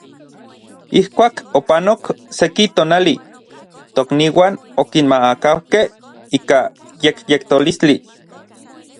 Ijkuak opanok seki tonali, tokniuan okinmaakaukej ika yekyetolistli.